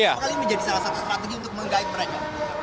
apakah ini menjadi salah satu strategi untuk menggaik mereka